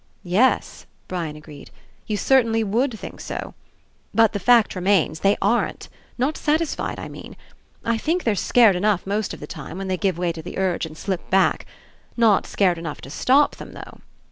"Yes," Brian agreed, "you certainly would think so. But, the fact remains, they aren't. Not satisfied, I mean. I think they're scared enough most of the time, when they give way to the urge and slip back. Not scared enough to stop them, though.